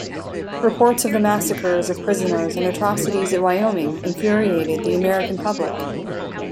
Reports of the massacres of prisoners and atrocities at Wyoming infuriated the American public.